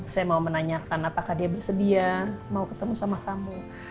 saya mau menanyakan apakah dia bersedia mau ketemu sama kamu